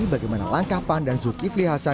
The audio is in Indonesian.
bagaimana langkapan dan zulkifli hasan